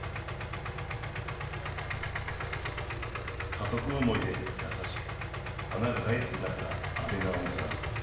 家族思いで優しく、花が大好きだった安部直美さん。